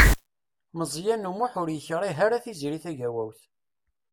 Meẓyan U Muḥ ur yekṛig ara Tiziri Tagawawt.